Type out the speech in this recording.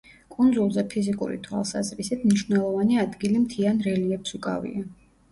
კუნძულზე ფიზიკური თვალსაზრისით, მნიშვნელოვანი ადგილი მთიან რელიეფს უკავია.